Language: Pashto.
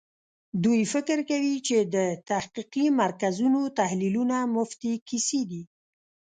دوی فکر کوي چې د تحقیقي مرکزونو تحلیلونه مفتې کیسې دي.